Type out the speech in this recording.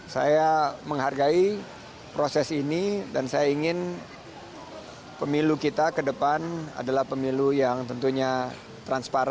saya menghargai proses ini dan saya ingin pemilu kita ke depan adalah pemilu yang tentunya transparan